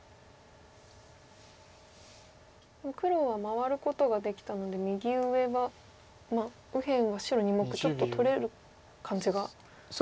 黒は回ることができたので右上はまあ右辺は白２目ちょっと取れる感じが。